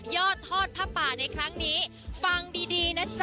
อดทอดผ้าป่าในครั้งนี้ฟังดีนะจ๊